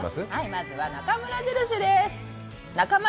まずは、なかまる印です。